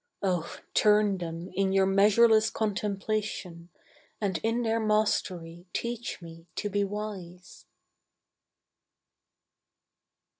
Oh, turn them in your measureless contemplation, And in their mastery teach me to be wise.